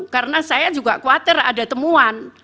karena saya juga khawatir ada temuan